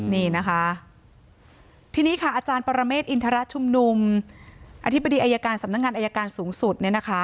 นี่นะคะทีนี้ค่ะอาจารย์ปรเมฆอินทรชุมนุมอธิบดีอายการสำนักงานอายการสูงสุดเนี่ยนะคะ